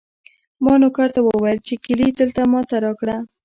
ما نوکر ته وویل چې کیلي دلته ما ته راکړه.